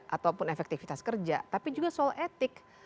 ataupun efektivitas kerja tapi juga soal etik